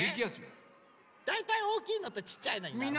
だいたいおおきいのとちっちゃいのになるよね？